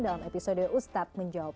dalam episode ustadz menjawab